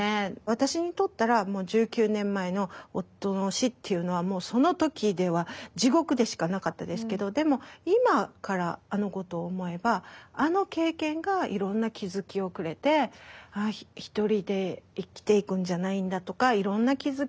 私にとったら１９年前の夫の死っていうのはもうその時では地獄でしかなかったですけどでも今からあのことを思えばあの経験がいろんな気付きをくれて１人で生きていくんじゃないんだとかいろんな気付き